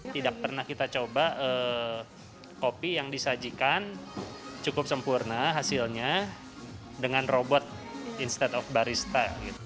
tidak pernah kita coba kopi yang disajikan cukup sempurna hasilnya dengan robot instead of barista